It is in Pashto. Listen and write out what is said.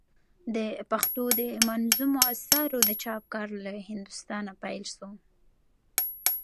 د پښتو دمنظومو آثارو د چاپ کار له هندوستانه پيل سو.